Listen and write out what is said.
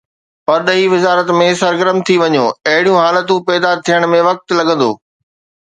پرڏيهي وزارت ۾ سرگرم ٿي وڃو، اهڙيون حالتون پيدا ٿيڻ ۾ وقت لڳندو.